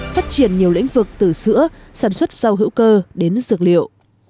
phát triển nhiều lĩnh vực từ sữa sản xuất rau hữu cơ đến dược liệu